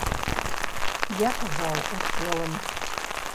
Я казаў у цэлым.